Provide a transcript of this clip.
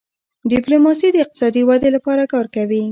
ډيپلوماسي د اقتصادي ودې لپاره کار کوي.